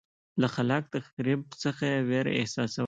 له خلاق تخریب څخه یې وېره احساسوله.